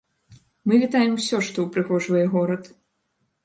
Мы вітаем усё, што ўпрыгожвае горад.